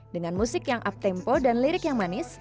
dengan musik yang up tempo dan lirik yang manis